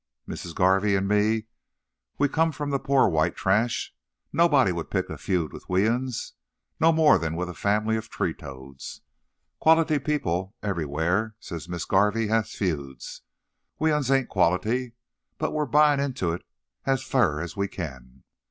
Missis Garvey and me, we come f'om the po' white trash. Nobody wouldn't pick a feud with we 'uns, no mo'n with a fam'ly of tree toads. Quality people everywhar, says Missis Garvey, has feuds. We 'uns ain't quality, but we're buyin' into it as fur as we can.